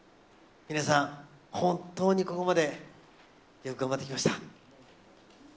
皆さん、本当にここまでよく頑張ってきました。